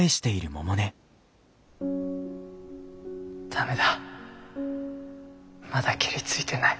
駄目だまだケリついてない。